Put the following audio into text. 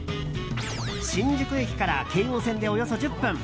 新宿駅から京王線でおよそ１０分。